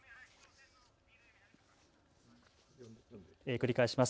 繰り返します。